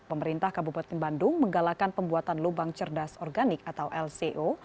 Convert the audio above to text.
pemerintah kabupaten bandung menggalakan pembuatan lubang cerdas organik atau lco